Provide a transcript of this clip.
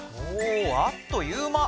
おあっという間。